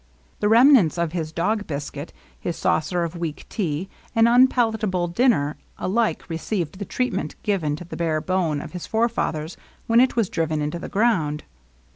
The rem nants of his dog biscuit, his saucer of weak tea, an unpalatable dinner, alike received the treatment given to the bare bone of his forefathers when it was driven into the ground.